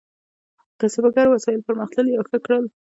کسبګرو وسایل پرمختللي او ښه کړل.